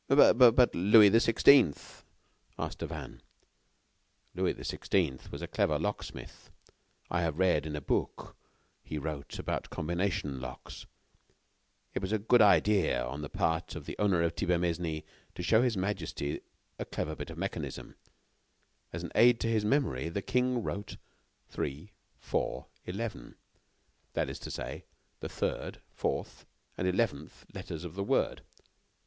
"But Louis the sixteenth?" asked Devanne. "Louis the sixteenth was a clever locksmith. I have read a book he wrote about combination locks. It was a good idea on the part of the owner of Thibermesnil to show His Majesty a clever bit of mechanism. As an aid to his memory, the king wrote: 3 4 11, that is to say, the third, fourth and eleventh letters of the word."